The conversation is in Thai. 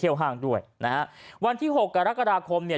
ห้างด้วยนะฮะวันที่หกกรกฎาคมเนี่ย